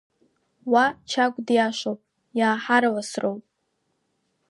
Уа Чагә диашоуп, иааҳарласроуп…